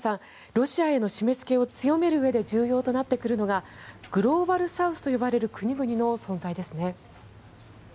ロシアへの締め付けを強めるうえで重要になってくるのがグローバルサウスと呼ばれる国々の存在ですね。